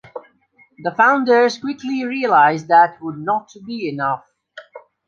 The founders quickly realize that would not be enough.